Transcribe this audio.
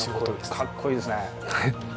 かっこいいですね。